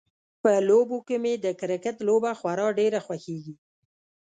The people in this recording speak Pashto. په لوبو کې مې د کرکټ لوبه خورا ډیره خوښیږي